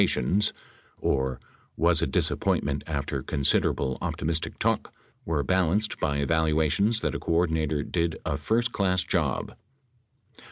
549 tions," or "was a disappointment after considerable optimistic talk," were balanced by evaluations that a coordinator "did a first class job."